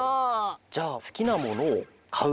じゃあ「すきなものをかう」